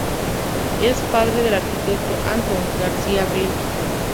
Es padre del arquitecto Antón García-Abril.